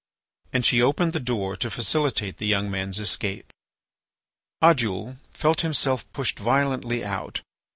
And she opened the door to facilitate the young man's escape. Oddoul felt himself pushed violently out.